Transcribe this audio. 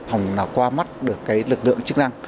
hồng nào qua mắt được cái lực lượng chức năng